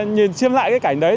nhìn xem lại cái cảnh đấy